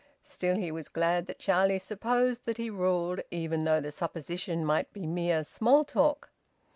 Still he was glad that Charlie supposed that he ruled, even though the supposition might be mere small talk.